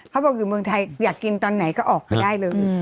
เขาบอกอยู่เมืองไทยอยากกินตอนไหนก็ออกไปได้เลย